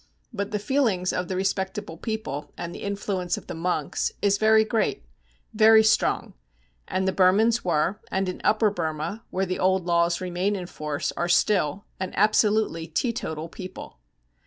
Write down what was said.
But the feelings of the respectable people and the influence of the monks is very great, very strong; and the Burmans were, and in Upper Burma, where the old laws remain in force, are still, an absolutely teetotal people.